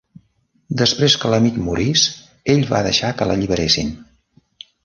Després que l'amic morís, ell va deixar que l'alliberessin.